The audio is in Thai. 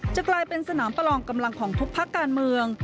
จะกลายเป็นสนามประลองกำลังของทุกพักการเมือง